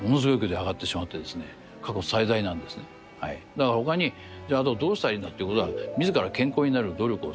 だから他にじゃあどうしたらいいんだっていう事で自ら健康になる努力をすると。